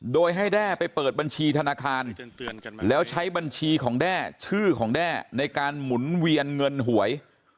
โดยให้แด้ไปเปิดบัญชีธนาคารแล้วใช้บัญชีของแด้ชื่อของแด้ในการหมุนเวียนเงินหวย